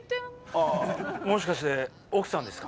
ああもしかして奥さんですか？